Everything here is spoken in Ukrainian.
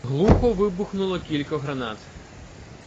Глухо вибухнуло кілька гранат.